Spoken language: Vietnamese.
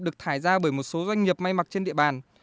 được thải ra bởi một số doanh nghiệp may mặc trên địa bàn